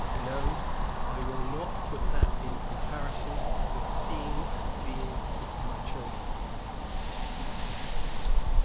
No; I will not put that in comparison with seeing and being with my children."